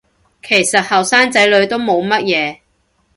其實後生仔女都冇乜嘢